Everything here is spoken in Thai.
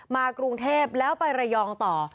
กรุงเทพแล้วไประยองต่อ